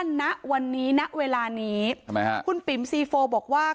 ณวันนี้ณเวลานี้ทำไมฮะคุณปิ๋มซีโฟบอกว่า